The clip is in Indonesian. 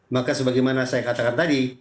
maka sebagaimana saya katakan tadi